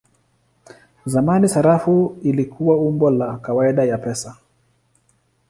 Zamani sarafu ilikuwa umbo la kawaida ya pesa.